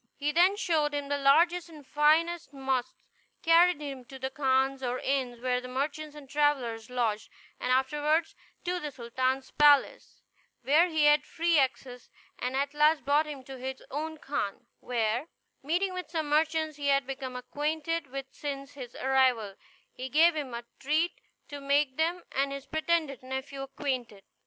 He then showed him the largest and finest mosques, carried him to the khans or inns where the merchants and travellers lodged, and afterward to the sultan's palace, where he had free access; and at last brought him to his own khan, where, meeting with some merchants he had become acquainted with since his arrival, he gave them a treat, to make them and his pretended nephew acquainted.